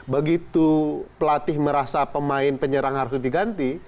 begitu pelatih merasa pemain penyerang harus diganti